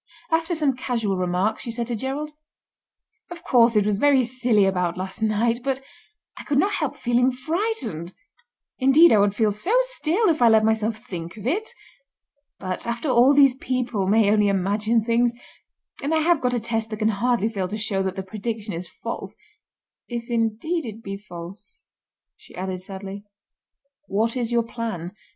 After some casual remarks, she said to Gerald: "Of course it was very silly about last night, but I could not help feeling frightened. Indeed I would feel so still if I let myself think of it. But, after all these people may only imagine things, and I have got a test that can hardly fail to show that the prediction is false—if indeed it be false," she added sadly. "What is your plan?"